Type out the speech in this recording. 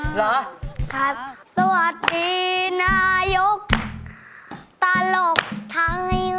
เหรอครับสวัสดีนายกตลกทั้ง